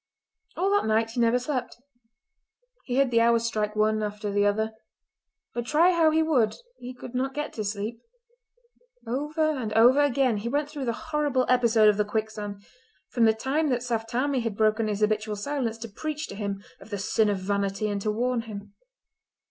All that night he never slept. He heard the hours strike one after the other; but try how he would he could not get to sleep. Over and over again he went through the horrible episode of the quicksand, from the time that Saft Tammie had broken his habitual silence to preach to him of the sin of vanity and to warn him.